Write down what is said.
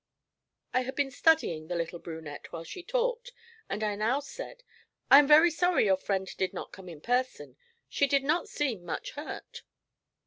I had been studying the little brunette while she talked, and I now said: 'I am very sorry your friend did not come in person. She did not seem much hurt.'